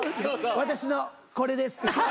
私のこれです。